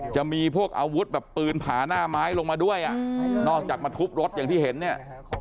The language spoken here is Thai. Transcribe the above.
จะมีพวกอาวุธแบบปืนผาหน้าไม้ลงมาด้วยอ่ะนอกจากมาทุบรถอย่างที่เห็นเนี่ย